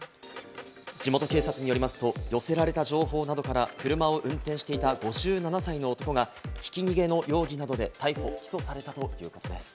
地元警察によりますと、寄せられた情報などから車を運転していた５７歳の男がひき逃げの容疑などで逮捕・起訴されたということです。